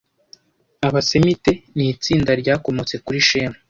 Abasemite ni itsinda ryakomotse kuri Shemu